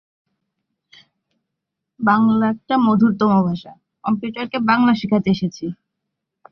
এর আগে বলা হয়েছিল, সিলেট আন্তর্জাতিক ক্রিকেট স্টেডিয়াম তিনটি ম্যাচ আয়োজন করবে, চট্টগ্রাম এবং ঢাকায় বাকি ম্যাচগুলি অনুষ্ঠিত হবে।